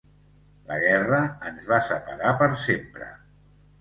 La guerra ens va separar per sempre.